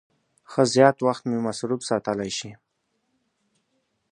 ښه زیات وخت مې مصروف ساتلای شي.